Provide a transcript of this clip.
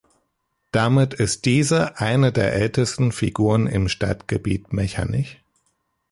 Damit ist diese eine der ältesten Figuren im Stadtgebiet Mechernich.